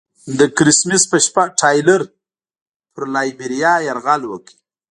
د کرسمس په شپه ټایلر پر لایبیریا یرغل وکړ.